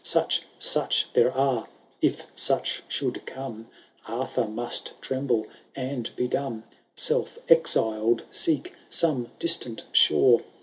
Such, such there are— If such should come, Arthur must tremble and be dumb, Self exil*d seek some distant shore.